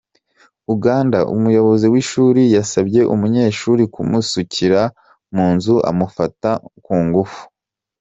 Uganda Umuyobozi w’ishuri yasabye umunyeshuri kumusukurira mu nzu amufata ku ngufu